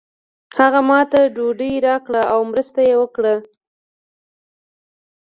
هغه ماته ډوډۍ راکړه او مرسته یې وکړه.